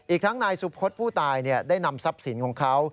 อีกทั้งนายสุพธผู้ตายได้นำทรัพย์สินของเขา